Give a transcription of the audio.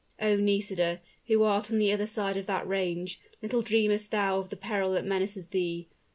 Oh! Nisida, who art on the other side of that range, little dreamest thou of the peril that menaces thee.